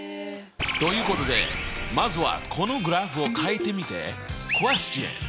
ということでまずはこのグラフをかいてみて。